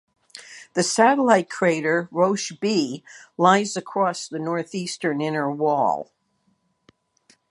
The satellite crater Roche B lies across the northeastern inner wall.